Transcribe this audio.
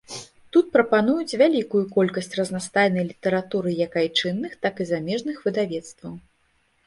Тут прапануюць вялікую колькасць разнастайнай літаратуры як айчынных, так і замежных выдавецтваў.